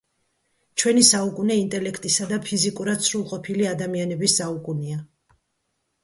ჩვენი საუკუნე ინტელექტისა და ფიზიკურად სრულყოფილი ადამიანების საუკუნეა.